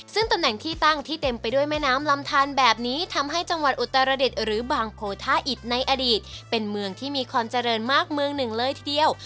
ซึ่งตำแหน่งที่ตั้งที่เต็มไปด้วยแม่น้ำลำทานแบบนี้ทำให้จังหวัดอุตรดิษฐ์หรือบางโพธาอิตในอดีตเป็นเมืองที่มีความเจริญมากเมืองหนึ่งเลยทีเดียว